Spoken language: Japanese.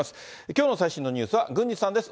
きょうの最新のニュースは郡司さんです。